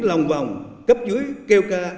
những lòng vòng cấp dưới kêu ca